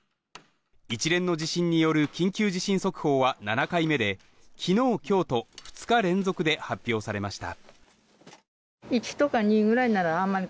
一連の地震による緊急地震速報は７回目で昨日、今日と２日連続で発表されました。